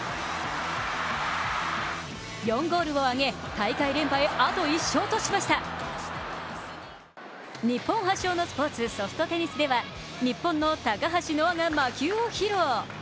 ４ゴールを挙げ、大会連覇へ、あと１勝としました日本発祥のスポーツ、ソフトテニスでは日本の高橋乃綾が魔球を披露。